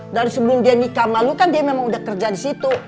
dari sebelum dia nikah malu kan dia memang udah kerja di situ